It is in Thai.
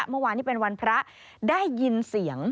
เมื่อวานนี้เป็นวันพระได้ยินเสียง